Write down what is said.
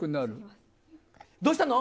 どうしたの？